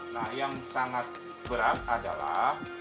nah yang sangat berat adalah